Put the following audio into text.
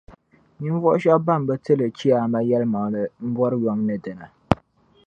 Ninvuɣu shεba ban bi ti li Chiyaama yεlimaŋli m-bɔri yom ni dina.